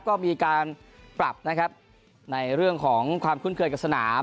ก็มีการปรับนะครับในเรื่องของความคุ้นเคยกับสนาม